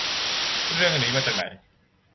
เรื่องนี้มาจากไหน